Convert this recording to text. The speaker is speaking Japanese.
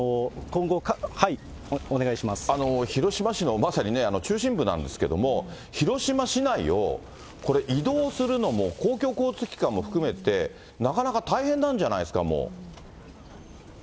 広島市の、まさに中心部なんですけれども、広島市内をこれ、移動するのも、公共交通機関も含めて、なかなか大変なんじゃないですか、もう。